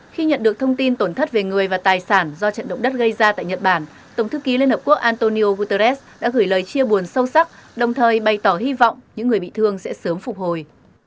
khi nhận được thông tin tổn thất về người và tài sản do trận động đất gây ra tại nhật bản tổng thư ký liên hợp quốc antonio guterres đã gửi lời chia buồn sâu sắc đồng thời bày tỏ hy vọng những người bị thương sẽ sớm phục hồi